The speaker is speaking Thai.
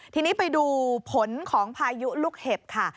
ทีนี้ไปดูผลของพายุลูกเห็บค่ะ